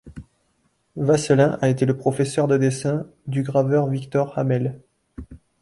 Vasselin a été le professeur de dessin du graveur Victor Hamel.